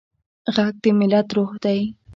غږ د ملت روح دی